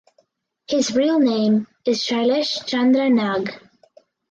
His real name is Shailesh Chandra Nag.